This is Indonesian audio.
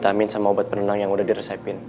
ada vitamin sama obat penenang yang udah di resepin